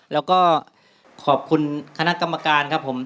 แล้วก็ขอบคุณคณะกรรมการครับผม